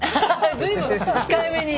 随分控えめに。